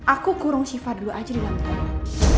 aku kurung siva dulu aja di lantai